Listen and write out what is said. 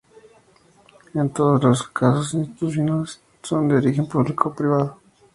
En todos los casos las instituciones son de origen público o privado.